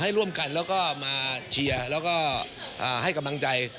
ร่วมกันแล้วก็มาเชียร์แล้วก็ให้กำลังใจ